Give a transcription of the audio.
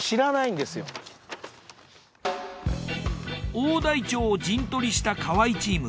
大台町を陣取りした河合チーム。